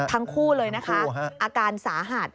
ทั้งคู่เลยนะคะอาการสาหัส